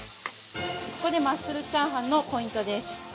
ここで、マッスルチャーハンのポイントです。